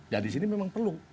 dan di sini memang perlu